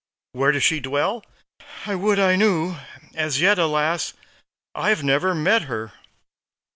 Where does she dwell? I would I knew; As yet, alas! I've never met her.